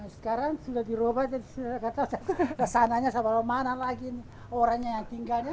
sekarang sudah diubah jadi katanya sasananya sampai mana lagi nih orangnya yang tinggalnya